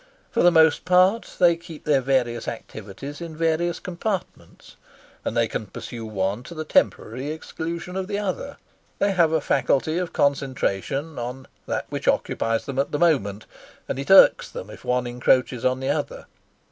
For the most part, they keep their various activities in various compartments, and they can pursue one to the temporary exclusion of the other. They have a faculty of concentration on that which occupies them at the moment, and it irks them if one encroaches on the other.